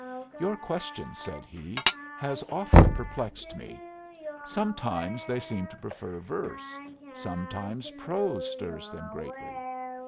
"Your question," said he, "has often perplexed me. Sometimes they seem to prefer verse; sometimes prose stirs them greatly.